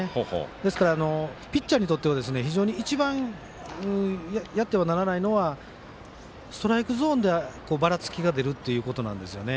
ですから、ピッチャーとしては一番やってはならないのはストライクゾーンでばらつきが出るっていうことなんですよね。